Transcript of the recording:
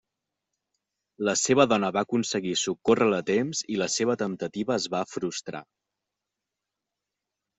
La seva dona va aconseguir socórrer-lo a temps i la seva temptativa es va frustrar.